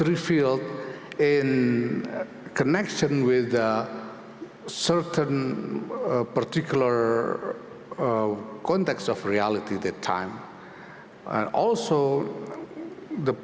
retno juga menyampaikan bahwa dia akan menjelaskan keberpihakan indonesia terhadap palestina